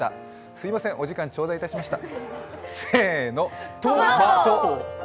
すみません、お時間ちょうだいしました。